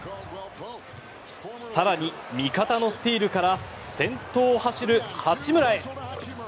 更に、味方のスチールから先頭を走る八村へ。